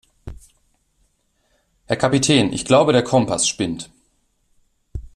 Herr Kapitän, ich glaube, der Kompass spinnt.